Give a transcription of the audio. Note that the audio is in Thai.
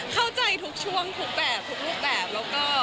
เข้าใจทุกช่วงทุกแบบทุกรูปแบบ